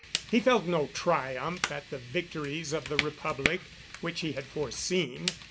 He felt no triumph at the victories of the Republic, which he had foreseen.